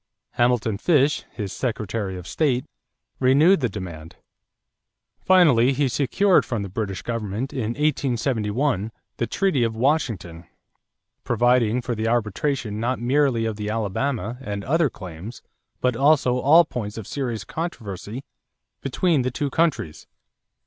Hamilton Fish, his Secretary of State, renewed the demand. Finally he secured from the British government in 1871 the treaty of Washington providing for the arbitration not merely of the Alabama and other claims but also all points of serious controversy between the two countries.